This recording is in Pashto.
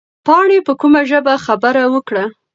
پاڼې په کومه ژبه خبره وکړه؟